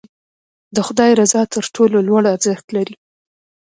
د خدای رضا تر ټولو لوړ ارزښت لري.